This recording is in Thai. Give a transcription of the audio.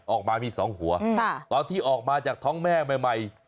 ออกมามี๒หัวตอนที่ออกมาจากท้องแม่ใหม่